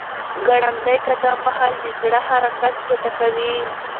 ګړندی قدم وهل د زړه حرکت چټکوي.